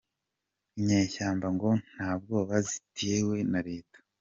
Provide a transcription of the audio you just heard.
Inyeshyamba ngo nta bwoba zitewe na leta